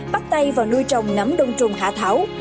bắt tay vào nuôi trồng nắm đông trùng hạ thảo